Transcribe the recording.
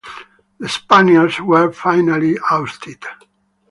The Spaniards were finally ousted.